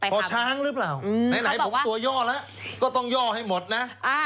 พอช้างหรือเปล่าไหนผมตัวย่อแล้วก็ต้องย่อให้หมดนะ